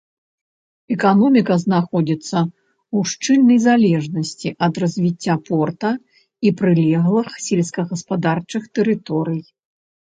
Эканоміка знаходзіцца ў шчыльнай залежнасці ад развіцця порта і прылеглых сельскагаспадарчых тэрыторый.